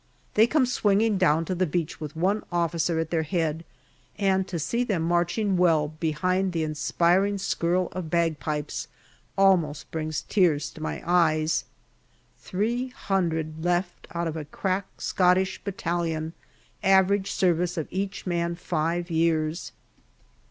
They come swinging down to the beach with one officer at their head, and to see them marching well behind the inspiring skirl of bagpipes almost brings tears to my eyes. Three hundred left out of a crack Scottish battalion, average service of each man five years.